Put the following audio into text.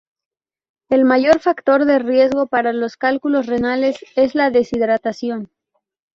El mayor factor de riesgo para los cálculos renales es la deshidratación.